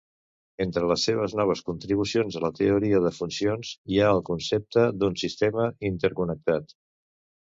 Entre les seves noves contribucions a la teoria de funcions hi ha el concepte d'un "sistema interconnectat".